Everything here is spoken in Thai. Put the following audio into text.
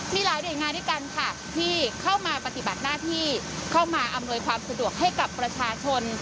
มีหลายหน่วยงานด้วยกันค่ะที่เข้ามาปฏิบัติหน้าที่เข้ามาอำนวยความสะดวกให้กับประชาชน